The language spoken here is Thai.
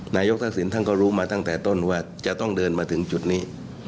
นายกทักษิณท่านก็รู้มาตั้งแต่ต้นว่าจะต้องเดินมาถึงจุดนี้